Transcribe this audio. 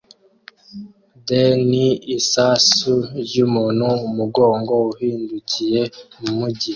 Thre ni isasu ryumuntu umugongo uhindukiye mumujyi